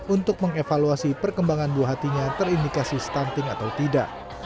untuk mengevaluasi perkembangan buah hatinya terindikasi stunting atau tidak